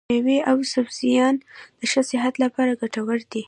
مېوې او سبزيان د ښه صحت لپاره ګټور دي.